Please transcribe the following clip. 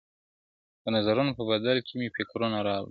د نظرونو په بدل کي مي فکرونه راوړل~